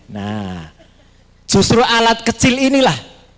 nah justru alat kecil inilah